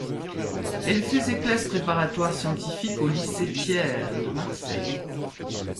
Elle fait ses classes préparatoires scientifiques au lycée Thiers de Marseille.